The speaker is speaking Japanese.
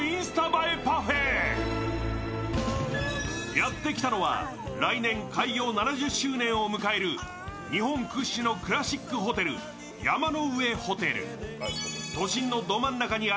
やってきたのは、来年開業７０周年を迎える日本屈指のクラシックホテル山の上ホテル。